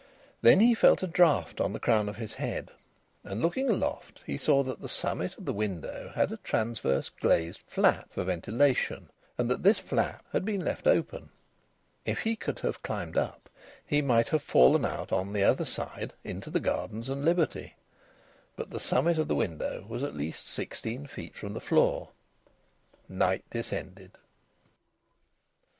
Then he felt a draught on the crown of his head, and looking aloft he saw that the summit of the window had a transverse glazed flap, for ventilation, and that this flap had been left open. If he could have climbed up, he might have fallen out on the other side into the gardens and liberty. But the summit of the window was at least sixteen feet from the floor. Night descended.